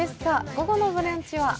午後の「ブランチ」は？